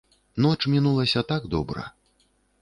Ноч мінулася так добра.